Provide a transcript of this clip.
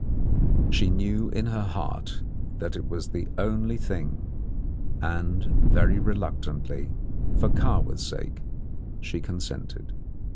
She knew in her heart that it was the only thing, and very reluctantly, for Kahwa's sake, she consented.